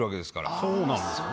そうなんですよね。